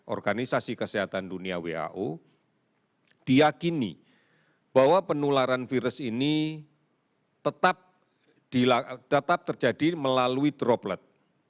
organisasi kesehatan dunia who diakini bahwa penularan virus ini tetap terjadi melalui droplet